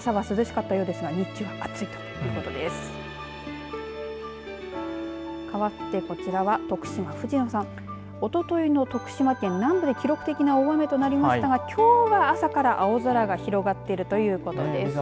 かわってこちらは徳島、藤野さんおとといの徳島県南部で記録的な大雨となりましたがきょうは朝から青空が広がっているということです。